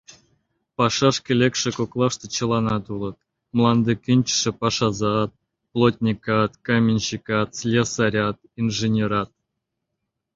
Пашашке лекше коклаште чыланат улыт: мланде кӱнчышӧ пашазат, плотникат, каменщикат, слесарят, инженерат.